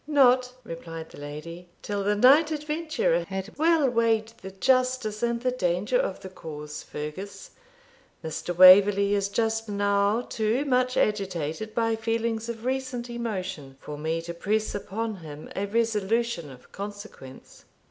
'Not,' replied the lady, 'till the knight adventurer had well weighed the justice and the danger of the cause, Fergus. Mr. Waverley is just now too much agitated by feelings of recent emotion for me to press upon him a resolution of consequence.'